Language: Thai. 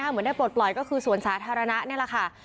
เหมือนได้ปลดปล่อยก็คือสวนสาธารณะนี่แหละค่ะ